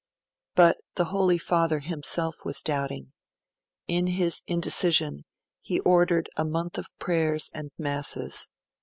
But the Holy Father himself was doubting. In his indecision, he ordered a month of prayers and masses.